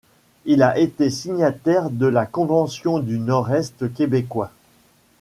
Il a été signataire de la Convention du Nord-Est québécois.